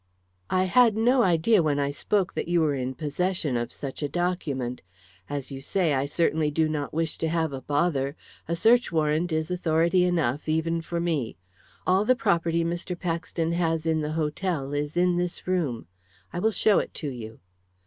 "I had no idea, when I spoke, that you were in possession of such a document. As you say, I certainly do not wish to have a bother. A search warrant is authority enough, even for me. All the property Mr. Paxton has in the hotel is in this room. I will show it to you."